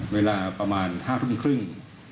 เวลาประมาณ๕ทุ่มครึ่ง